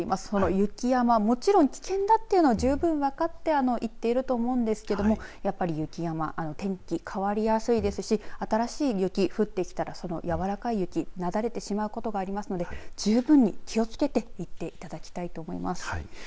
この雪山、もちろん危険だというのは十分分かって行っているとは思うんですがやっぱり雪山天気は変わりやすいですし新しい雪が降ってきたらその、やわらかい雪がなだれてしまうことがありますので十分に気をつけて行っていただきたいと思います。